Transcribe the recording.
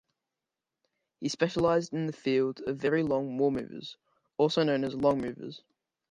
He specialized in the field of very long moremovers, also known as longmovers.